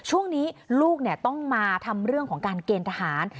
ช่วงนี้ลูกต้องมาทำเรื่องของการเกณฑ์ทหาร